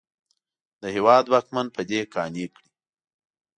د هېواد واکمن په دې قانع کړي.